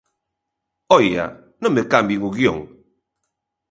¡Oia!, non me cambien o guión.